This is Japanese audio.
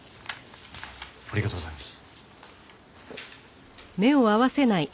ありがとうございます。